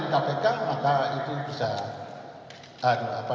nah itu kalau memang kemudian ada perkembangan dari kpk